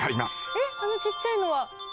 あのちっちゃいのは。